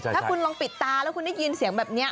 ถ้าคุณลองปิดตาแล้วคุณได้ยินเสียงแบบนี้